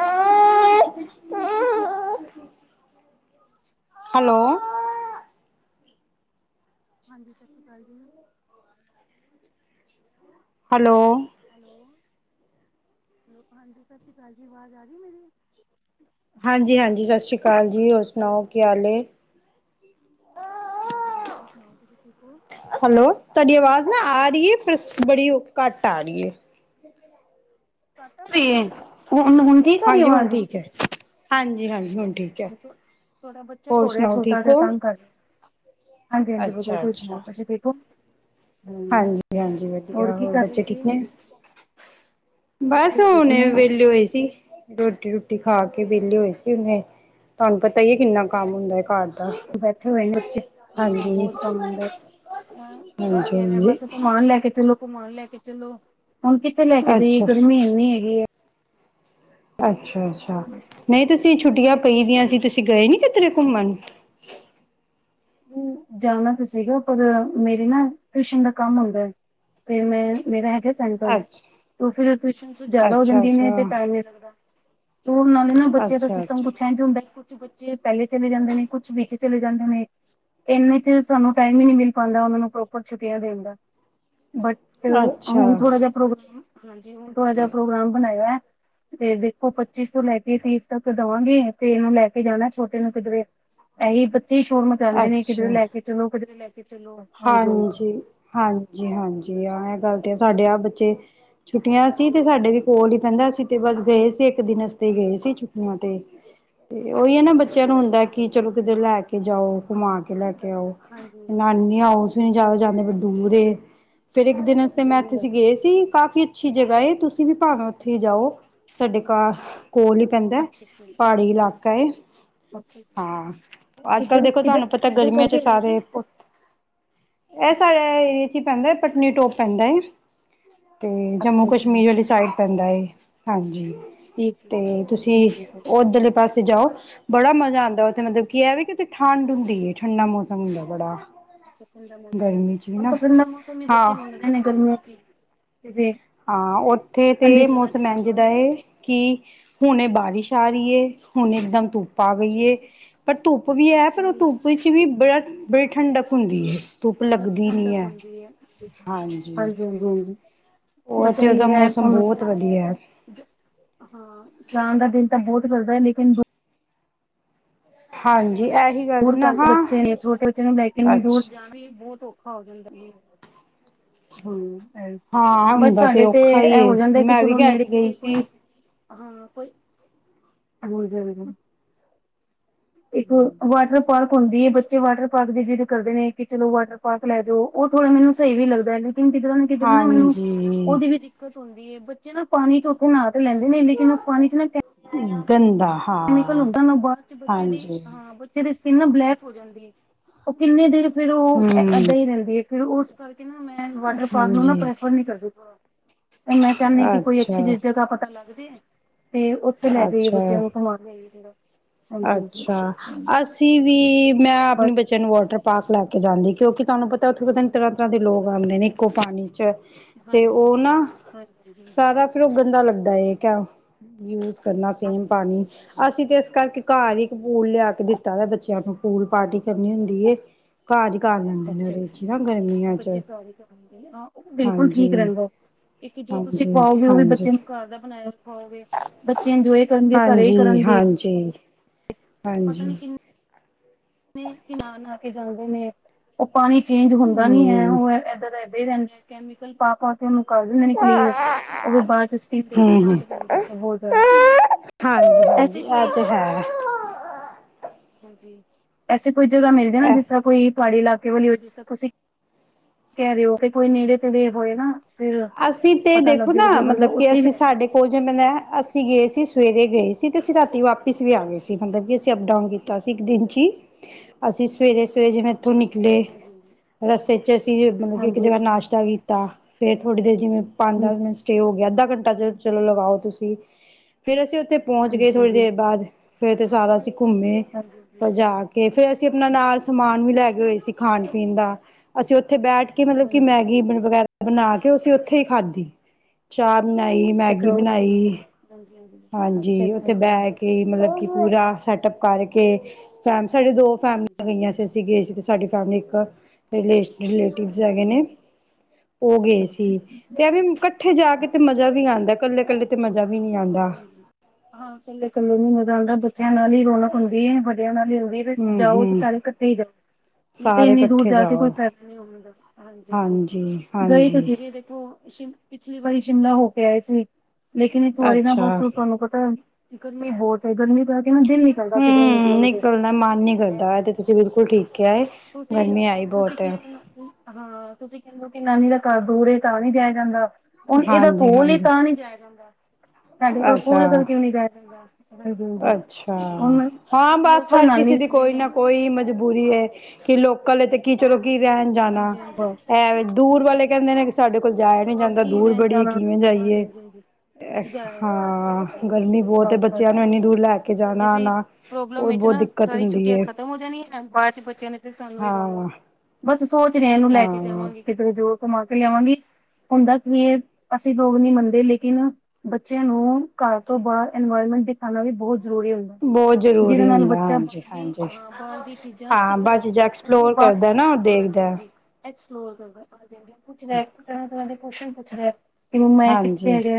Hello hello. ਹਾਂਜੀ, ਸਸ਼ੀ ਕਾਲ ਜੀ। ਹਲੋ। ਹੈਲੋ, ਹੈਲੋ ਹਾਂਜੀ ਸਾਸੀ ਕਾਲ ਜੀ, ਆਵਾਜ਼ ਆ ਰਈ ਏ ਮੇਰੀ। ਹਾਂਜੀ, ਹਾਂਜੀ ਸ਼ਾਸ਼੍ਰੀ ਕਾਲ ਜੀ, ਹੋਰ ਸੁਨਾਓ ਕੀ ਹਾਲ ਏ। ਮੈਂ ਵਧੀਆ ਤੁਸੀਂ ਸੁਣਾਓ ਤੁਸੀਂ ਠੀਕ ਹੋ ਹੈਲੋ, ਤੁਹਾਡੀ ਆਵਾਜ਼ ਨਾ ਆ ਰਹੀ ਏ, ਪਰ ਬੜੀ, ਉਹ ਘੱਟ ਆ ਰਹੀ ਏ। ਘੱਟ ਆ ਰਹੀ ਐ, ਹੁਣ -ਹੁਣ ਠੀਕ ਆ ਰਹੀ ਏ ਹਾਂਜੀ ਹੁਣ ਆਵਾਜ਼। ਠੀਕ ਹੈ ਹਾਂਜੀ, ਹਾਂਜੀ। ਹੁਣ ਠੀਕ ਹੈ ਤੁਆ ਤੁਆਡਾ ਬੱਚਾ ਹੋਰ ਰੋ ਲੇਆ ਸੁਣਾਓ ਛੋਟਾ ਠੀਕ ਜੇਆ ਹੋ ਤਾੰਗ ਕਰ ਹਾਂਜੀ, ਅੱਛਾ ਅੱਛਾ ਹਾਂਜੀ‌ [unintelligible] ਹਾਂਜੀ, ਹਾਂਜੀ ਵਦੀਆ ਕੀ ਹੋਰ ਕਰ ਰਹੇ ਬੱਚੇ ਸੀ ਠੀਕ ਨੇ ਬਾਸ ਬੱਚੇ ਠੀਕ ਹੁਨੇ ਨੇ ਵੇਲੇ ਹੋਏ ਸੀ। ਰੋਟੀ ਰੁਟੀ ਖਾ ਕੇ ਵੇਲੇ ਹੋਏ ਸੀ ਹੁੰਨੇ ਤੋਆਨ ਪ ਤਈਏ ਕਿੰਨਾ ਕਾਮ ਹੁੰਦਾ ਏ ਘਾਰ ਦਾ, ਬੈਠੇ ਹੋਏ ਨੇ ਬੱਚੇ ਹਾਂ ਹਾਂਜੀ। ਬਹੁਤ ਹਾਂਜੀ। ਕੈਰੇ ਹਾਂਜੀ ਬਸ ਕੁਮਾਨ ਲੈ ਕੇ ਚਲੋ, ਕੁਮਾਨ ਲੈ ਕੇ ਚਲੋ, ਹੁਨ ਕਿੱਥੇ ਲੈ ਕੇ ਜਾਈਏ ਅੱਛਾ, ਗਰਮੀ ਏਨੀ ਹੈਗੀ ਏ। ਅੱਛਾ, ਅੱਛਾ ਨਈ ਤੁਸੀ ਛੁੱਟੀਆਂ ਪਈ ਦੀਆਂ ਸੀ ਤੁਸੀ ਗਏ ਨੀ ਕਿਧਰੇ ਘੁੰਮਨ। ਹੂੰ, ਜਾਣਾ ਤਾਂ ਸੀਗਾ ਪਰ ਮੇਰੀ ਨਾ ਟਯੂਸ਼ਨ ਦਾ ਕਾੰਮ ਹੁੰਦਾ। ਫੇਰ ਮੈਂ ਮੇਰਾ ਹੈਗਾ ਸੈਂਟਰ, ਅੱਛ ਤੁ ਫੇਰ ਟਯੂਸ਼ਨਸ ਜੈਦਾ ਹੋ ਜਾਂਦੀਆ ਨੇ ਅੱਛਾ-ਅੱਛਾ, ਤੇ ਟਾਈਮ ਨੀ ਲੱਗਦਾ। ਓ ਓਨਾ ਨੇ ਨਾ ਬੱਚੇਆਂ ਦਾ ਅੱਛਾ-ਅੱਛਾ, ਸਿਸਟਮ ਅੱਛਾ। ਕੁਛ ਏਝਂ ਹੁੰਦਾ ਕੁਛ ਬੱਚੇ ਪੈਲੇ ਚਲੇ ਜਾਂਦੇ ਨੇ, ਕੁਛ ਵਿੱਚ ਚਲੇ ਜਾਂਦੇ ਨੇ ਏਨੇ ਚ ਸਾਨੂੰ ਟਾਈਮ ਈ ਨੀ ਮਿਲ ਪਾਂਦਾ ਓਨਾਂ ਨੂੰ ਪ੍ਰੋਪਰ ਛੁੱਟੀਆਂ ਦੇਨ ਦਾ ਬਟ ਹੁਨ ਅੱਛਾ, ਥੋੜਾ ਜਾ ਪ੍ਰੋਗ, ਹਾਂਜੀ ਹੁਨ ਥੋੜਾ ਜਾ ਪ੍ਰੋਗਰਾਮ ਬਨਾਯਾ ਤੇ ਵੇਖੋ ਪੱਚੀਸ ਤੋ ਲੈ ਕੇ ਤੀਸ ਤੱਕ ਦਵਾਂਗੇ, ਤੇ ਹੁਨ ਲੈ ਕੇ ਜਾਨਾ ਛੋਟੇ ਨੂੰ ਕਿਧਰੇ ਏਹੀ ਬੱਚੇ ਈ ਸ਼ੋਰ ਅੱਛਾ ਮਚਾਂਦੇ ਨੇ ਕਿਧਰੇ ਅੱਛਾ ਲੈ ਕੇ ਚਲੋ, ਕਿਧਰੇ ਲੈ ਕੇ ਹਾਂਜੀ, ਹਾਂਜੀ, ਹਾਂਜੀ, ਹਾਂ ਐ ਗਾਲ ਤੇ ਐ ਸਾਡੇ ਆਪ ਬੱਚੇ ਛੁੱਟੀਆਂ ਸੀ ਤੇ ਸਾਡੇ ਵੀ ਕੋਲ ਈ ਪੈਂਦਾ ਸੀ ਤੇ ਬਾਸ ਗਏ ਸੀ ਏਕ ਦੇਨ ਆਸਤੇ ਗਏ ਸੀ ਛੁੱਟੀਆਂ ਤੇ [unintelligible] ਓਈ ਐ ਨਾ ਬੱਚੇਆਂ ਅੱਛਾ ਨੂੰ ਅੱਛਾ ਹੁੰਦਾ ਕਿ ਹਾਂਜੀ ਚਲੋ ਕਿਧਰੇ ਲੈ ਕੇ ਜਾਓ, ਘੁਮਾ ਕੇ ਲੈ ਕੇ ਆਓ ਹਾਂਜੀ ਨਾਨੀ [inaudible] ਹਾਂਜੀ ਜੈਦਾ ਜਾਂਦੇ ਦੂਰ ਏ, ਫੇਰ ਏਕ ਦੇਨ ਆਸਤੇ ਮੈਂ ਦੂਰ ਏਥੇ ਗਏ ਸੀ ਕਾਫੀ ਅੱਛੀ ਜਗਾ ਏ ਤੁਸੀ ਵੀ ਭਾਵਾ ਓਥੇ ਈ ਜਾਓ। ਸਾਡੇ ਕਾ ਕੋਲ ਹੀ ਪੈਂਦਾ ਅੱਛਾ ਜੀ ਪਾੜੀ ਲਾਕਾ ਏ। ਓਕੇ ਹਾਂ, ਆੱਜ-ਕਾੱਲ‌ ਕਿੱਧਰ ਦੇਖੋ ਕਿੱਧਰ ਤਾਨੂੰ ਪਤਾ ਕਿੱਧਰ ਗਰਮੀਆਂ ਚ ਕਰਕੇ ਹੈਗਾ ਜੀ ਸਾਰੇ ਐ ਸਾਡੇ ਏਰੀਏ ਚ ਈ ਪੈਂਦਾ ਪਟਨੀਟੋਪ ਪੈਂਦਾ ਏ। ਤੇ ਜੰਮੂ ਅੱਛਾ ਕਸ਼ਮੀਰ ਅੱਛਾ ਵਾਲੀ ਸਾਈਡ ਪੈਂਦਾ ਏ, ਹਾਂਜੀ। ਠੀਕ ਹੈ ਤੇ ਠੀਕ ਤੁਸੀ ਠੀਕ ਹੈ ਓਦਰਲੇ ਪਾਸੇ ਜਾਓ ਬੜਾ ਮਜ਼ਾ ਆਂਦਾ ਓਥੇ, ਮਤਲਬ ਕੀ ਐ ਵੇ ਕਿ ਓਥੇ ਠੰਡ ਹੁੰਦੀ ਏ ਠੰਡਾ ਮੋਸਮ ਹੁੰਦਾ ਬੜਾ। ਅੱਛਾ ਠੰਡਾ ਮੌਸਮ ਗਰਮੀ ਚ ਵੀ ਨਾ ਹੂੰਦਾ, ਠੰਡਾ ਮੋਸਮ ਹਾਂ ਬੱਚੇ ਮੰਗਦੇ ਨੇ ਗਰਮੀਆਂ ਚ ਈ ਹਾਂ, ਓਥੇ ਤੇ ਜਗ੍ਹਾ ਚ ਮੋਸਮ ਲੈ ਏਂਜ ਜਾਓ ਦਾ ਏ ਕੀ ਹੁਨੇ ਬਾਰਿਸ਼ ਆਰੀ ਏ, ਹੁਨੇ ਇਕਦਮ ਧੁੱਪ ਆ ਗਈ ਅੱਛਾ ਏ, ਪਰ ਧੁੱਪ ਵੀ ਐ ਅੱਛਾ ਪਰ ਓ ਜੀ ਧੁੱਪ ਵਿੱਚ ਵੀ ਬੜਾ ਬੜੀ ਠੰਡਕ ਹੁੰਦੀ ਐ। ਧੁੱਪ ਠੰਡਕ ਲੱਗਦੀ ਨੀ ਠੰਡਕ ਹੁੰਦੀ ਐ ਹਾਂਜੀ, ਹਾਂਜੀ, ਹਾਂਜੀ। ਉਹ ਬਸ ਐ ਇੱਥੇ ਈ ਦਾ ਐ, ਮੌਸਮ ਬਹੁਤ ਵਧੀਆ ਐ [unintelligible] ਜਾਨ ਦਾ ਦਿਲ [unintelligible] ਹਾਂਜ ਦੂਰ ਕਰਕੇ ਬੱਚੇ ਨੇ, ਛੋਟੇ ਬੱਚੇ ਨੂੰ ਲੈ ਕੇ ਵੀ ਦੂਰ ਅੱਛਾ ਜਾਣੇ ਈ ਬੋਤ [unintelligible] ਹੂੰ, ਹਾਂ ਬਸ ਹੁੰਦਾ ਸਾਡੇ ਤੇ ਔਖਾ ਹੀ ਐ ਹੋ ਏ ਜਾਂਦੈ ਕਿ ਮੈਂ ਵੀ ਚਲੋ ਕਹਿ ਕੇ ਗਈ ਨੇੜੇ-ਤੇੜੇ ਸੀ ਕੋਈ ਹਾਂ, ਕੋਈ ਹਾਂਜੀ, ਹਾਂਜੀ। ਇੱਕ ਅ ਵਾਟਰ ਪਾਰਕ ਹੋਂਦੀ ਐ। ਬੱਚੇ ਵਾਟਰ ਪਾਰਕ ਦੀ ਜਿੱਦ ਕਰਦੇ ਨੇ, ਕਿ ਚਲੋ ਵਾਟਰ ਪਾਰਕ ਲੈ ਜੋ ਓ ਮੈਨੂੰ ਸਹੀ ਵੀ ਲੱਗਦਾ। ਹਾਂਜੀ [unintelligible] ਹੁੰਦੀ ਏ। ਬੱਚੇ ਨਾ ਪਾਨੀ ਚ ਓਥੇ ਨਾਹ ਤਾਂ ਲੈਂਦੇ ਨੇ ਲੇਕਿਨ ਓਸ ਪਾਨੀ ਚ ਨਾ ਕੈ ਗੰਦਾ ਕੈਮੀਕਲ ਹਾਂ ਹੋਂਦਾ ਓਨੁ ਬਾਚ ਬੱਚੇ ਦੀ ਹਾਂਜੀ ਹਾਂ ਬੱਚੇ ਦੀ ਫਿਰ ਨਾ ਬਲੈਕ ਹੋ ਜਾਂਦੀ ਏ, ਓ ਕਿੰਨੇ ਦੇਰ ਫੇਰ ਓ ਹਮ ਏਦਾਂ ਈ ਰੈਂਦੀ ਏ, ਫਿਰ ਓਸ ਕਰਕੇ ਮੈਂ ਵਾਟਰ ਪਾਰਕ ਨੂੰ ਨਾ ਹਾਂਜੀ ਪ੍ਰੈਫਰ ਨੀ ਕਰਦੀ। ਤੇ ਮੈਂ ਚਾਨੀ ਆਂ ਕਿ ਕੋਈ ਅੱਛੀ ਅੱਛਾ ਜੀ ਜਗਾ ਪਤਾ ਲੱਗ ਸਕੇ, ਤੇ ਓਥੇ ਲੈ ਜਾਈਏ ਅੱਛਾ ਬੱਚੇਆਂ ਨੂੰ। [inaudible] ਹਾਂਜੀ ਅੱਛਾ! ਹਾਂ, ਅਸੀ ਵੀ, ਮੈਂ ਆਪਨੀ ਬਸ ਬੱਚੇਆਂ ਨੂੰ ਵੋਟਰ ਪਾਕ ਲੈ ਕੇ ਜਾਂਦੀ ਕੇਓ ਕਿ ਤੁਆਨੂੰ ਪਤਾ ਓਥੇ ਪਤਾ ਨੀ ਤਰਾਂ, ਤਰਾਂ ਦੇ ਲੋਕ ਆਂਦੇ ਨੇ ਇੱਕੋ ਪਾਣੀ ਚ ਤੇ ਹਾਂਜੀ ਓ ਹਾਂਜੀ। ਨਾ, ਹਾਂਜੀ ਹਾਂਜੀ ਹਾਂਜੀ ਸਾਰਾ ਹਾਂਜੀ ਫਿਰ ਓ ਗੰਦਾ ਲੱਗਦਾ ਏ ਕੇਯਾ ਯੂਜ਼ ਕਰਨਾ ਸੇਮ ਹਾਂਜੀ ਪਾਨੀ, ਹਾਂਜੀ, ਅਸੀਂ ਤੇ ਇਸ ਕਰਕੇ ਘਾਰ ਈ ਹੂੰ, ਇੱਕ ਹੂੰ, ਪੂਲ ਲੇਆ ਕੇ ਦਿੱਤਾ ਹੋਏਆ ਬੱਚੇਆਂ ਨੂੰ ਪੂਲ ਪਾਰਟੀ ਕਰਨੀ ਹੁੰਦੀ ਏ ਘਰ ਹੀ ਕਰ ਅੱਛਾ, ਲੈਂਦੇ ਨੇ ਅੱਛਾ ਉਹਦੇ ਚ ਨਾ ਜੀ। ਗਰਮੀਆਂ ਚ ਬੱਚੇ ਘਾਰ ਈ ਕਰਨਗੇ ਨਾ, ਹਾਂ ਬਿਲਕੁਲ ਠੀਕ ਹਾਂਜੀ ਰੈਂਦਾ ਏ। ਇੱਕ ਜੋ ਤੁਸੀਂ ਹਾਂਜੀ ਖਵਾਓਗੇ ਓਹੀ ਵੀ ਹਾਂਜੀ ਬੱਚੇ ਆਂ ਨੂੰ ਘਾਰ ਦਾ ਬਨਾਏਆ ਖਵਾਓਗੇ। ਬੱਚੇ ਇੰਜੋਏ ਕਰਨਗੇ ਘਰੇ ਈ ਹਾਂਜੀ ਕਰਨਗੇ। ਹਾਂਜੀ ਹਾਂਜੀ। ਨਈ ਨ੍ਹਾ ਨ੍ਹਾ ਕੇ ਜਾਂਦੇ ਨੇ, ਓ ਪਾਣੀ ਚੇਂਜ ਹੁੰਦਾ ਨੀ ਹੈ, ਹਮ ਓ ਐਦਾ ਦਾ ਐਦਾਂ। [unintelligible] ਕੈਮੀਕਲ ਪਾ, ਪਾ ਕੇ ਓਨੂੰ [unintelligible] ਓ ਫਿਰ ਬਾਚ 'ਚ ਸ਼ੀਟ ਦੇ ਉੱਪਰ ਹਮ ਚੱਕ ਹਮ ਕੇ ਬੈਂਦਾ ਤੇ [unintelligible] ਹਾਂਜੀ, ਹਾਂਜੀ ਐ ਤੇ ਹੈ। ਹਾਂਜੀ। ਐਸੀ ਕੋਈ ਜਗ੍ਹਾ ਮਿਲਜੈ ਨਾ, ਹੈ ਜਿਸਰਾ ਕੋਈ ਪ੍ਹਾੜੀ ਇਲਾ ਵਾਲੀ ਹੋਏ ਜਿਸ ਤਰ੍ਹਾਂ ਤੁਸੀਂ, ਕੈ ਰਏ ਓ ਇਕ ਕੋਈ ਨੇੜੇ-ਤੇੜੇ ਹੋਏ ਨਾ ਫਿਰ ਆਸੀ ਤੇ ਪਤਾ ਦੇਖੋ ਲੱਗੇ ਨਾ, ਫਿਰ ਬੰਦਾ ਮਦਲਬ ਕੇ ਉੱਥੇ ਹੀ ਅਸੀ ਰਹਿ ਜੇ। ਸਾਡੇ ਕੋਲ ਜਿਵੇਂ ਅਸੀ ਗਏ ਸੀ। ਸਵੇਰੇ ਗਏ ਸੀ ਤੇ ਅਸੀ ਰਾਤੀ ਵਾਪਿਸ ਵੀ ਆ ਗਏ ਸੀ। ਮ ਮਤਲਬ ਕਿ ਅਸੀਂ ਅਪਡਾਊਨ ਕੀਤਾ ਸੀ ਇੱਕ ਦਿਨ ਚ ਹੀ ਅਸੀ ਸਵੇਰੇ ਸਵੇਰੇ ਜਿਵੇਂ ਏਥੋਂ ਅੱਛਾ ਜੀ, ਨਿਕਲੇ। ਹਾਂਜੀ ਹਾਂਜੀ। ਰਸਤੇ ਚ ਅਸੀਂ ਗ ਮਤਲਬ ਕਿ ਇੱਕ ਹਾਂਜੀ, ਜਗਾ ਨਾਸ਼ਟਾ ਵੀ ਕੀਤਾ ਫੇਰ ਥੋੜੀ ਦੇਰ ਜਿਵੇਂ ਪੰਜ, ਹੂੰ, ਦਸ ਮਿੰਟ ਸਟੇ ਹੋ ਗੇਆ ਅੱਧਾ ਘੰਟਾ 'ਚ ਚਲੋ ਲਗਾਓ ਤੁਸੀਂ, ਫੇਰ ਅਸ ਓਥੇ ਪੋਂਚ ਗੇ ਹਾਂਜੀ ਥੋੜੀ ਹਾਂਜੀ। ਦੇਰ ਬਾਦ, ਫੇਰ ਤੇ ਸਾਰਾ ਅਸੀਂ ਘੁੰਮੇ। ਹਾਂਜੀ ਪਰ ਹਾਂਜੀ, ਜਾ ਕੇ ਫੇਰ ਅਸੀਂ ਆਪਨਾ ਨਾਲ ਸਮਾਨ ਵੀ ਲੈ ਗੇ ਹੋ ਅਸੀ ਖਾਨ ਪੀਨ ਦਾ, ਅਸੀ ਓਥੇ ਬੈਠ ਕੇ ਮਤਲਬ ਕਿ ਹਾਂਜੀ ਹਾਂਜੀ। ਮੈਗੀ ਵਗੈਰਾ ਬਨਾ ਕੇ ਤੇ ਅਸੀਂ ਓਥੇ ਈ ਖਾਦੀ, ਚਾਹ ਬਨਾਈ, ਅੱਛਾ ਤੇ ਮੈਗੀ ਹੋਰ ਬਨਾਈ। ਹਾਂਜੀ ਹਾਂਜੀ। ਅੱਛਾ ਅੱਛਾ ਓਥੇ ਅੱਛਾ। ਬੈ ਕੇ ਮਤਲਬ ਕੀ ਹਾਂਜੀ ਪੂਰਾ ਸੈਟਅਪ ਕਰਕੇ ਸਾਡੇ ਦੋ ਫੈਮਲੀਆਂ ਹਾਂਜੀ। ਗਈਆਂ ਸੀ, ਅਸੀਂ ਗਏ ਸੀ ਤੇ ਸਾਡੀ ਫੈਮਲੀ ਏਕ ਰਿਲੇਸ਼ਨ ਰਿਲੇਟਿਵਸ ਹੈਗੇ ਨੇ। ਉਹ ਗਏ ਅੱਛਾ ਸੀ ਅੱਛਾ। ਤੇ ਐਵੇਂ ਇਕੱਠੇ ਜਾ ਕੇ ਤੇ ਅੱਛਾ। ਮਜ਼ਾ ਵੀ ਆਂਦਾ ਹੈ। ਕੱਲੇ ਕੱਲੇ ਤੇ ਮਜ਼ਾ ਵੀ ਨੀ ਆਂਦਾ। ਹਾਂਜੀ ਹਾਂ, ਕੱਲੇ ਕੱਲੇ ਨੀ ਮਜ਼ਾ ਆਂਦਾ, ਬੱਚਿਆਂ ਨਾਲ ਹੀ ਰੌਣਕ ਹੁੰਦੀ ਏ। ਵੱਡਿਆ ਨਾਲ [unintelligible] ਹਮ ਜਾਓ ਤੇ ਹਮ ਸਾਰੇ ਕੱਠੇ ਹੀ ਜਾੳ। ਨਹੀਂ ਤੇ ਸਾਰੇ ਇੰਨੀ ਦੂਰ ਇਕੱਠੇ ਜਾ ਕੇ ਕੋਈ ਜਾਓ ਫਾਇਦਾ ਨੀ ਹੁੰਦਾ, ਹਾਂਜੀ, ਹਾਂਜੀ ਗਏ ਤਾਂ ਅਸੀਂ ਵੀ ਦੇਖੋ ਸ਼ਿਮ ਪਿਛਲੀ ਵਾਰੀ ਸ਼ਿਮਲਾ ਹੋ ਕੇ ਆਏ ਸੀ। ਲੇਕਿਨ ਇਸ ਵਾਰੀ ਨਾ ਬਸ ਅੱਛਾ ਤੁਹਾਨੂੰ ਪਤਾ ਗਰਮੀ ਬਹੁਤ ਐ, ਗਰਮੀ ਪੂਰਾ ਦਿਨ ਨਾ ਦਿਲ ਨੀ ਕਰਦਾ ਕਿੱਧਰੇ ਹਮ ਨਿਕਲਣ ਤੇ ਨਿਕਲਣਾ ਮਨ ਨੀ ਮਤ ਐ ਕਰਦਾ ਇਹ ਤੇ ਚੱਕਰ ਹੈ। ਤੁਸੀਂ ਬਿਲਕੁਲ ਠੀਕ ਕਿਹਾ ਏ ਤੁਸੀਂ ਗਰਮੀ ਆਈ ਤੁਸੀਂ ਬਹੁਤ ਹੈ ਕਿਹੜੇ, ਹਾਂ ਤੁਸੀਂ ਕਹਿੰਦੇ ਹੋ ਕਿਉਂਕਿ ਨਾਨੀ ਦਾ ਘਰ ਦੂਰ ਏ ਤਾਂ ਨਹੀਂ ਜਾਇਆ ਜਾਂਦਾ, ਹੁਣ ਇਹਦਾ ਹਾਂਜੀ ਕੋਲ ਏ ਹਾਂਜੀ ਤਾਂ ਨਹੀਂ ਜਾਇਆ ਜਾਂਦਾ। ਸਾਡੇ ਕੋਲ ਅੱਛਾ ਕੋਲ ਕਰਕੇ ਵੀ ਨੀ ਜਾਇਆਂ ਜਾਂਦਾ। ਹਾਂਜੀ ਹਾਂਜੀ ਅੱਛਾ, ਹੁਣ ਹਾਂ ਬਸ ਲੋਕਲ ਹਰ ਕਿਸੇ ਨਾਨੀ ਦੀ ਰਹਿੰਦੇ ਕੋਈ ਨੇ ਨਾ ਕੋਈ ਮਜਬ ਬੂਰੀ ਏ ਕਿ ਲੋਕਲ ਏ ਤੇ ਕੀ ਚਲੋ ਕੀ ਰਹਿਣ ਜਾਣਾ, ਹਾਂਜੀ ਹਾਂਜੀ ਇਹ ਦੂਰ ਵਾਲੇ ਕਹਿੰਦੇ ਨੇ। ਸਾਡੇ ਕੋਲ ਜਾਇਆ ਨੀ ਹਾਂ ਜਾਂਦਾ ਕੀ ਦੂਰ ਰਹਿਣ ਬੜੀ ਜਾਣਾ ਕਿਵੇਂ ਹਾਂਜੀ ਜਾਈਏ? ਹਾਂਜੀ ਹਾਂਜੀ। ਜਾਇਆ ਨੀ ਹਾਂ, ਜਾਂਦਾ। ਗਰਮੀ ਬਹੁਤ ਏ, ਬਸ ਬਸ ਬੱਚਿਆਂ ਨੂੰ ਇੰਨੀ ਬਸ ਦੂਰ ਲੈ ਕੇ ਜਾਣਾ ਐਸੀ ਆਣਾ ਪ੍ਰੋਬਲਮ ਹੋਰ ਵਿੱਚ ਬਹੁਤ ਨਾ ਦਿੱਕਤ ਸਾਰੀ ਹੁੰਦੀ ਛੁੱਟੀਆਂ ਏ। ਖਤਮ ਹੋ ਜਾਣੀਆਂ ਨਾ ਬਾਅਦ ਚ ਬੱਚਿਆਂ ਨੇ ਫਿਰ ਸਾਨੂੰ ਹੀ ਰੋਣਾ। ਹਾਂ। ਬਸ ਸੋਚ ਰੇ ਆਂ, ਏਨੂੰ ਲੈ ਕੇ ਹਾਂ ਜਾਵਾਂਗੀ ਕਿਦਰੇ ਜਰੂਰ ਘੂਮਾ ਕੇ ਲਿਆਵਾਂਗੀ। ਹੁੰਦਾ ਕਿ ਏ ਅਸੀਂ ਲੋਕ ਨਈ ਮੰਨਦੇ, ਲੇਕਿਨ ਬੱਚੇਆਂ ਨੂੰ ਘਾਰ ਤੋਂ ਬਾਰ ਇਨਵਾਇਰਮੈਟ [unintelligible] ਜਰੂਰੀ ਹੁੰਦਾ, ਬਹੁਤ ਜਿਨਾ ਜ਼ਰੂਰੀ ਨਾਲ ਹੁੰਦਾ ਬੱਚਾ ਹਾਂ ਹਾਂਜੀ ਬਾਹਰ ਦੀ ਹਾਂਜੀ ਬਾਹਰ ਦੀ ਚੀਜਾ ਹਾਂ ਸਿੱਖਦੈ ਬਸ ਜ ਕਿਉਂਕੀ ਐਕਸਪਲੋਰ ਕਰਦਾ ਨਾ ਉਹ ਹਾਂਜੀ, ਦੇਖਦਾ ਹਾਂਜੀ ਅੱਛਾ। ਹਾਂਜੀ, ਪੁੱਛ ਰਿਹਾ ਤਰ੍ਹਾਂ ਤਰ੍ਹਾਂ ਦੇ ਕੋਸ਼ਟਣ ਪੁੱਛ ਰਿਹਾ ਹੈ। ਕਿ ਮੈਂ ਕਿੱਥੇ ਹਾਂਜੀ ਹੈਗਾ।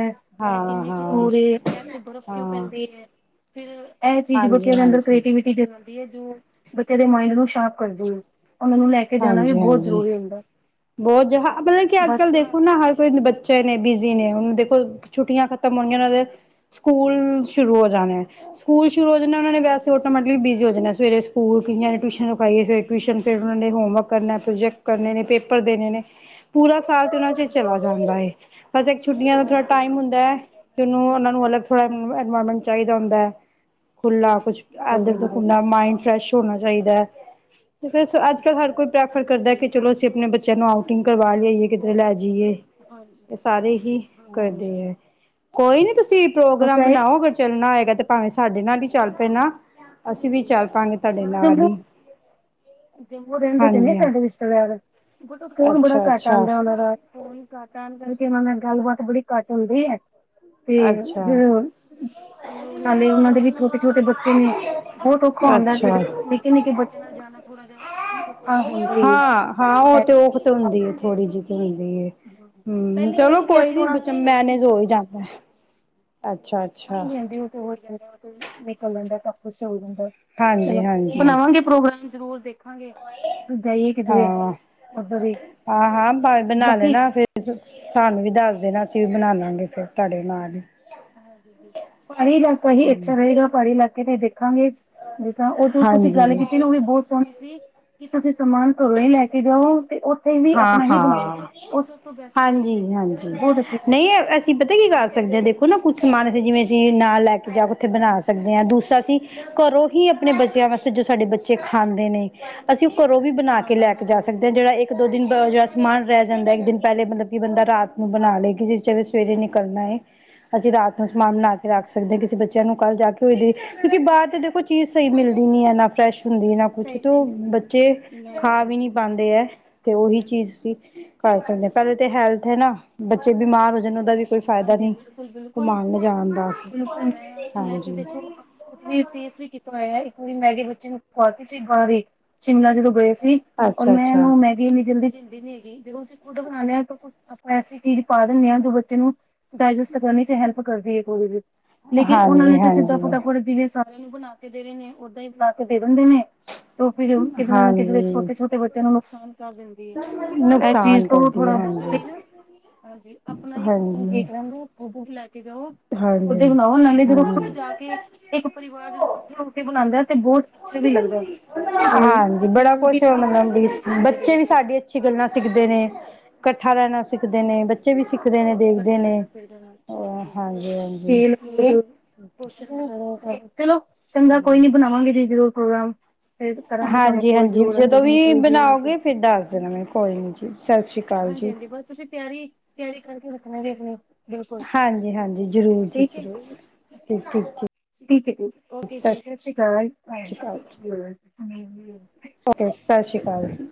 ਹਾਂ ਐ ਕਿੰਨੇ ਕੁ ਹਾਂ ਦੂਰ ਏ। ਇੱਥੇ ਬਰਫ਼ ਕਿਉਂ ਹਾਂ ਪੈਂਦੀ ਐ। ਫਿਰ ਇਹ ਚੀਜ਼ ਹਾਂਜੀ ਬੱਚਿਆ ਦੇ ਅੰਦਰ ਹਾਂਜੀ ਕ੍ਰਏਵਿਟੀ ਦੇ ਨਾਲ [unintelligible] ਜੋ ਬੱਚੇ ਦੇ ਮਾਈਡ ਨੂੰ ਸਾਫ਼ ਕਰਦੀ ਏ। ਹਾਂਜੀ-ਹਾਂਜੀ, ਬਹੁਤ ਜਹਾ ਮਤਲਬ ਕਿ ਅੱਜ ਬਸ ਕੱਲ੍ਹ ਥੋੜਾ ਦੇਖ ਹੁਣ ਨਾ ਹਰ ਕੋਈ ਬੱਚੇ ਨੇ ਬਿਜ਼ੀ ਨੇ ਹੁਣ ਦੇਖੋ ਛੁੱਟੀਆਂ ਖਤਮ ਹਮ ਹੋਣਗੀਆਂ ਉਹਨਾਂ ਦੇ ਸਕੂ ਹਮ ਸਕੂਲ ਸ਼ੁਰੂ ਹੋ ਜਾਣੇ ਸਕੂਲ ਸ਼ੁਰੂ ਹੋ ਜਾਣੇ ਉਹਨਾਂ ਨੇ ਹਾਂਜੀ ਵੈਸੇ ਹਾਂਜੀ ਆਟੋਮੈਟਿਕਲੀ ਬੀਜੀ ਹੋ ਜਾਂਣੇ ਸਵੇਰੇ ਸਕੂਲ ਕਿੰਨੀਆ ਤੇ ਟੁਸ਼ਨ ਹਾਂਜੀ ਰਖਵਾਈ ਹਾਂਜੀ ਫਿਰ ਟੁਸ਼ਨ ਫੇਰ ਉਨਾਂ ਨੇ ਹੋਮਵਰਕ ਕਰਨਾ ਪ੍ਰੋਜੈਕਟ ਕਰਨੇ ਨੇ ਪੇਪ ਪਰ ਦੇਣੇ ਨੇ, ਪੂਰਾ ਸਾਲ ਤੇ ਉਹਨਾਂ ਇਸ ਚ ਚਲਾ ਜਾਂਦਾ ਹੈ, ਬਸ ਇੱਕ ਛੁੱਟੀਆਂ ਦਾ ਥੋੜਾ ਹਾਂਜੀ ਟਾਈਮ ਹਾਂਜੀ ਹੁੰਦੈ ਹਾਂਜੀ ਕਿ ਉਹਨੂੰ ਉਹਨਾ ਨੂੰ ਅਲੱਗ ਥੋੜ੍ਹਾ [unintelligible] ਹਾਂਜੀ। ਐਨਵਾਇਮੈਂਟ ਚਾਹੀਦਾ ਹੁੰਦੈ। ਖੁੱਲਾ ਕੁਛ ਸਹੀ ਇਧਰ ਗੱਲ ਉਧਰ ਏ। ਕੰਮਣਾ ਬਸ ਐਹੀ ਮਾਈੰਡ ਫਰੈਸ਼ ਹੋਣਾ ਚਾਹੀਦੈ ਤੇ ਫਰ ਅੱਜ ਕੱਲ੍ਹ ਹਰ ਕੋਈ ਪ੍ਰੈਫਰ ਕਰਦਾ ਕਿ ਚਲੋ ਅਸੀਂ ਆਪਣੇ ਬੱਚਿਆਂ ਨੂੰ ਆਊਟਿੰਗ ਕਰਵਾ ਲਿਆਈਏ, ਕਿਧਰੇ ਲੈ ਜਾਈਏ। ਇਹ ਸਾਰੇ ਹੀ ਹਾਂਜੀ-ਹਾਂਜੀ, ਕਰਦੇ ਹਾਂ। ਹੈ ਕੋਈ ਨੀ ਤੁਸੀਂ ਪ੍ਰੋਗਰਾਮ ਬਣਾਓ, ਅਗਰ ਚੱਲਣਾ ਹੋਏ ਗਾ ਤੇ ਭਾਵੇਂ ਸਾਡੇ ਨਾਲ ਹੀ ਚੱਲ ਪੈਣਾ। ਅਸੀਂ ਵੀ ਹਾਂਜੀ। ਚੱਲ ਪਾਂਗੇ ਤੁਹਾਡੇ ਹਾਂ ਨਾਲ ਜੰਮੂ, ਈ। ਜੰਮੂ ਰਹਿੰਦੇ ਤੇ ਨੇ ਸਾਡੇ ਰਿਸ਼ਤੇਦਾਰ ਬੱਟ ਓ ਫੋਨ ਬੜਾ ਅੱਛਾ ਕੱਟ ਅੱਛਾ ਆਂਦਾ ਉਹਨਾਂ ਦਾ ਫੋ ਤਾਂ ਕਰਕੇ ਉਹਨਾਂ ਨਾਲ ਗੱਲਬਾਤ ਬੜੀ ਕੱਟ ਹੁੰਦੀ ਏ। ਤੇ ਹੁੰ, ਅੱਛਾ ਫਿਰ ਉਹ ਨਾਲੇ ਉਹਨਾਂ ਦੇ ਵੀ ਛੋਟੇ-ਛੋਟੇ ਬੱਚੇ ਨੇ। ਬਹੁਤ ਔਖਾ ਹੁੰਦਾ ਅੱਛਾ ਫਿਰ ਨਿੱਕੇ ਨਿੱਕੇ ਬੱਚਿਆਂ ਨਾਲ ਜਾਣਾ ਥੋੜਾ ਜਿਹਾ ਔਖਾ ਹੁੰਦਾ ਈ ਏ। ਆ ਉਹ ਤੇ ਊਖ ਤੇ ਹੁੰਦੀ ਏ ਥੋੜੀ ਜੀ ਤੇ ਹੁੰਦੀ ਏ। ਹੁੰ, ਪਹਿਲੀ ਚਲੋ ਵਾਰੀ ਵੀ ਕੋਈ ਅਸੀਂ ਨੀ ਉਹਨਾਂ ਨਾਲ ਹੀ ਗਏ ਸੀ। ਬ-ਮੈਨੇਜ ਹੋ ਹੀ ਜਾਂਦੈ। ਅੱਛਾ। ਹਾਂਜੀ-ਹਾਂਜੀ, ਉਹ ਹੋ ਹੀ ਜਾਂ ਉਹ ਤੇ ਨਿਕਲ ਜਾਂਦਾ ਸਭ ਕੁੱਛ ਉਹੀ ਚਲੋ ਹਾਂਜੀ ਹਾਂਜੀ ਬਣਾਵਾਂਗੇ ਪ੍ਰੋਗਰਾਮ। [unintelligible] ਜਾਈਏ ਕਿਧਰੇ ਹਾਂ, ਉਧਰ ਹੀ ਹਾਂ ਹਾਂ ਪਾਵੇ ਬਣਾ ਬਾਕੀ ਲੈਣਾ ਫਿਰ ਸਾਨੂੰ ਵੀ ਦੱਸ ਦੇਣਾ ਅਸੀਂ ਵੀ ਬਣਾ ਲਾਂਗੇ ਫਿਰ ਤੁਹਾਡੇ ਨਾਲ ਹੀ। ਪਹਾੜੀ ਇਲਾਕਾ ਹੀ ਅੱਛਾ ਰਹੇਗਾ ਪਹਾੜੀ ਇਲਾਕੇ ਤੇ ਦੇਖਾਂਗੇ ਜਿਸ ਤਰ੍ਹਾਂ ਉਹ ਤੁਸੀਂ ਹਾਂਜੀ ਗੱਲ ਕੀਤੀ ਨਾ ਉਹ ਵੀ ਬਹੁਤ ਸੋਹਣੀ ਸੀ ਕਿ ਤੁਸੀਂ ਸਮਾਨ ਘਰੋਂ ਹੀ ਲੈ ਕੇ ਜਾਓ। ਤੇ ਉੱਥੇ ਵੀ ਆਪਣਾ ਹੀ ਬਣਾਓ। ਹਾਂ-ਹਾਂ ਉਹ ਸਭ ਤੋਂ ਬੈਸਟ ਚੀਜ਼ ਹੈਗੀ ਹਾਂਜੀ-ਹਾਂਜੀ ਹੈ। ਬਹੁਤ ਅੱਛੀ ਚੀਜ਼ ਨਹੀਂ ਹੈ। ਅਸੀਂ ਪਤਾ ਕੀ ਕਰ ਹਾਂਜੀ ਸਕਦੇ ਹਾਂ ਦੇਖੋ ਨਾ ਕੁਛ ਸਮਾਨ ਇੱਥੇ ਜਿਵੇਂ ਅਸੀਂ ਨਾਲ ਲੈ ਕੇ ਜਾ ਕੇ ਉੱਥੇ ਬਣਾ ਸਕਦੇ ਹਾਂ। ਦੂਸਰਾ ਅਸੀਂ ਘਰੋਂ ਹੀ ਆਪਣੇ ਬੱਚਿਆਂ ਵਾਸਤੇ ਜੋ ਸਾਡੇ ਬੱਚੇ ਖਾਂਦੇ ਨੇ। ਅਸੀਂ ਉਹ ਘਰੋਂ ਵੀ ਬਣਾ ਕੇ ਖਾਂਦੇ ਲੈ ਨੇ ਕੇ ਜਾ ਘਰੋਂ ਹੀ ਸਕਦੇ ਹਾਂ। ਜਿਹੜਾ ਇੱਕ ਲੋਕ ਦੋ ਦਿਨ ਜਿਹੜਾ ਸਮਾਨ ਰਹਿ ਜਾਂਦਾ ਇੱਕ ਦਿਨ ਪਹਿਲੇ ਮਤਲਬ ਕਿ ਬੰਦਾ ਰਾਤ ਨੂੰ ਬਣਾ ਲੇ ਜਿਵੇਂ ਸਵੇਰੇ ਨਿਕਲਣਾ ਹੈਏ। ਅਸੀਂ ਰਾਤ ਨੂੰ ਸਮਾਨ ਬਣਾ ਕੇ ਰੱਖ ਸਕਦੇ ਕਿਸੇ ਬੱਚੇ ਨੂੰ ਕੱਲ ਜਾ ਕੇ ਹੋਈ ਕਿਉਂਕਿ ਬਾਹਰ ਤੇ ਦੇਖੋ ਚੀਜ਼ ਸਹੀ ਮਿਲਦੀ ਨੀ ਹੈ ਨਾ ਫਰੈਸ਼ ਹੁੰਦੀ ਨਾ ਕੁਛ ਸਹੀ ਤੇ ਹਾਂਜੀ ਬੱਚੇ ਖਾ ਵੀ ਨੀ ਪਾਂਦੇ ਏ ਤੇ ਉਹੀ ਚੀਜ਼ ਸੀ ਘਰ ਚਲਦੇ ਪਹਿਲੇ ਤੇ ਹੈਲਥ ਹੈ ਨਾ ਬਚ ਬੱਚੇ ਬਿਮਾਰ ਹੋ ਜਾਣ ਉਹਦਾ ਵੀ ਕੋਈ ਫਾਇਦਾ ਹਾਂਜੀ ਨਹੀਂ ਬਿਲਕੁਲ ਬਿਲਕੁਲ ਕੁਮਾਣ ਜਾਣ ਬਿਲਕੁਲ ਮੈਂ-ਮੈਂ ਤੇ ਵੇਖੋ ਖੁਦ ਵੀ ਫੇਸ ਵੀ ਕੀਤਾ ਹੋਇਆ ਹੈ ਇਕ ਪੂਰੀ ਮੈਗੀ ਬੱਚੇ ਨੂੰ ਖਵਾਤੀ ਸੀ ਬਾਰ ਹੀ ਸ਼ਿਮਲਾ ਜਦੋਂ ਗਏ ਸੀ। ਸੀ ਔਰ ਅੱਛਾ ਮੈਂ ਅੱਛਾ ਇਹਨੂੰ ਮੈਗੀ ਇੰਨੀ ਜਲਦੀ [unintelligible] ਜਦੋਂ ਅਸੀਂ ਖੁਦ ਬਣਾਉਂਦੇ ਹਾਂ ਤਾਂ ਆਪਾਂ ਐਸੀ ਚੀਜ਼ ਪਾ ਦਿੰਦੇ ਹਾਂ ਜੋ ਬੱਚੇ ਨੂੰ ਡਾਈਜੈਸਟ ਕਰਨ ਚ ਹੈਲਪ ਕਰਦੀ ਏ ਕੋਲਡਡਰਿੰਕ ਲੇਕਿਨ ਉਹਨਾਂ ਹਾਂਜੀ ਨੇ ਤੇ ਸਿੱਧਾ ਹਾਂਜੀ ਫਟਾਫਟ ਜਿਵੇਂ ਸਾ ਨੂੰ ਬਣਾ ਕੇ ਦੇ ਰਹੇ ਨੇ ਓਦਾਂ ਹੀ ਬਣਾ ਕੇ ਦੇ ਦਿੰਦੇ ਨੇ। ਫ ਕਿੱਧਰੇ ਨਾ ਕਿੱਧਰੇ ਹਾਂਜੀ ਛੋਟੇ ਛੋਟੇ ਬੱਚਿਆਂ ਨੂੰ ਨੁਕਸਾਨ ਦਿੰਦੀ ਏ, ਇਹ ਚੀਜ਼ ਨੁਕਸਾਨ ਤੋ ਕਰਦੀ ਥੋੜਾ ਹੈ ਬੱਚੇ ਹਾਂਜੀ ਲਈ ਨਾ ਹਾਂਜੀ ਆਪਣਾ ਹੀ ਸਿਸਟਮ ਹਾਂਜੀ ਠੀਕ ਰਹਿਦਾ ਬੁ ਬੁ ਲੈ ਕੇ ਜਾਓ ਹਾਂਜੀ ਓਦਾ ਹੀ ਬਣਾਓ ਨਾਲੇ ਜਦੋਂ ਹਮ ਖੁੱਦ ਜਾ ਕੇ ਇੱਕ ਪਰਿਵਾਰ ਜਦੋਂ ਇਕੱਠੇ ਹੋ ਕੇ ਬਣਾਉਂਦਾ ਏ ਹਾਂਜੀ ਇੱਕ ਬੜਾ ਯੂਨਿਟੀ ਕੁਛ ਜੀ ਦਿਖਾਈ ਮਤਲਬ ਵੀ ਦਿੰਦੀ ਹੈ ਫੈਮਿਲੀ ਦੇ ਬੱਚੇ ਵੀ ਵਿੱਚ ਸਾਡੀ ਅੱਛੀ ਗੱਲਾਂ ਸਿੱਖ ਦੇ ਨੇ ਇਕੱਠਾ ਰਹਿਣਾ ਸ ਸਿੱਖਦੇ ਨੇ ਬੱਚੇ ਵੀ ਇਕੱਠਾ ਸਿੱਖਦੇ ਨੇ ਦੇਖਦੇ ਨੇ ਰਹਿਣਾ ਚਾਹੀਦਾ ਹਾਂਜੀ ਹਾਂਜੀ-ਹਾਂਜੀ। ਖੇਲ ਚਲੋ ਚੰਗਾ ਕੋਈ ਨੀ ਬਣਾਵਾਂਗੇ ਜੀ ਜ਼ਰੂਰ ਪ੍ਰੋਗਰਾਮ ਫਿਰ ਕਰਾਂਗੇ ਤੁਹਾਨੂੰ ਹਾਂਜੀ ਕੋਲ ਹਾਂਜੀ ਜ਼ਰੂਰ ਜਦੋਂ ਅਸੀਂ ਵੀ ਠੀਕ ਬਣਾਓਗੇ ਫਿਰ ਦੱਸ ਦੇਣਾ ਮੈਂ ਕੋਈ ਨੀ ਚੀਜ਼ ਹਾਂਜੀ ਹਾਂਜੀ ਬਸ ਤੁਸੀਂ ਤਿਆਰੀ ਤਿਆਰੀ ਕਰਕੇ ਰੱਖਣਾ ਜ ਆਪਣੀ ਬਿਲਕੁਲ ਹਾਂਜੀ ਹਾਂਜੀ ਜ਼ਰੂਰ ਜੀ ਹੈ ਜ਼ਰੂਰ ਠੀਕ ਠੀਕ ਠੀਕ ਠੀਕ ਠੀਕ ਓਕੇ ਜੀ ਸਤਿ ਸ਼੍ਰੀ ਸ਼੍ਰੀ ਜੀ ਅਕਾਲ ਓਕੇ ਸਤਿ ਸ੍ਰੀ ਅਕਾਲ ਜੀ